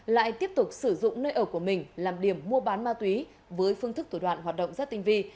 lại tiếp tục sử dụng nơi ở của mình làm điểm mua bán ma túy với phương thức thủ đoạn hoạt động rất tinh vi